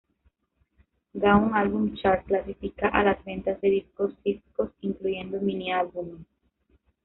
Gaon Album Chart clasifica a las ventas de discos físicos, incluyendo mini-álbumes.